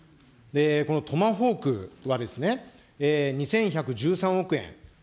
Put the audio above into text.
このトマホークは２１１３億円。